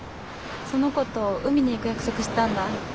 その子と海に行く約束したんだ。